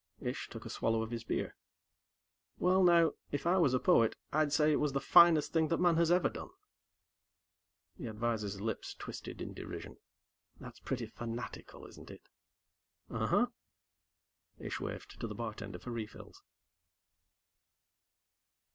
Ish took a swallow of his beer. "Well, now, if I was a poet, I'd say it was the finest thing that man has ever done." The advisor's lips twisted in derision. "That's pretty fanatical, isn't it?" "Uh huh." Ish waved to the bartender for refills.